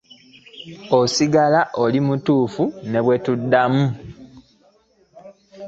Osigala oli mutuufu ne bwe tuddamu.